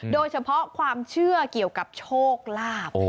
โดยเฉพาะความเชื่อเกี่ยวกับโชคลาภ